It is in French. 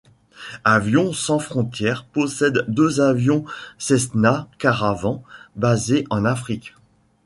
Avion Sans Frontières possède deux avions Cessna Caravan basés en Afrique.